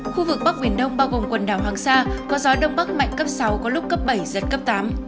khu vực bắc biển đông bao gồm quần đảo hoàng sa có gió đông bắc mạnh cấp sáu có lúc cấp bảy giật cấp tám